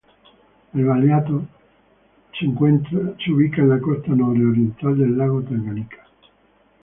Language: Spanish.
El valiato se ubica en la costa nororiental del lago Tanganica.